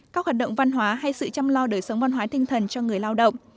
các hoạt động văn hóa hay sự chăm lo đời sống văn hóa tinh thần cho người lao động